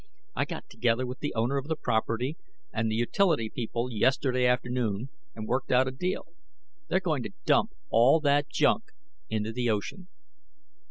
I got together with the owner of the property and the utility people yesterday afternoon and worked out a deal. They're going to dump all that junk into the ocean."